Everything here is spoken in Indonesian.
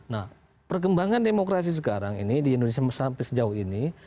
nah perkembangan demokrasi sekarang ini di indonesia sampai sejauh ini